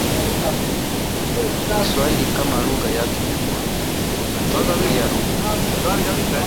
Kiswahili kama lugha ya kitumwa lakini pia lugha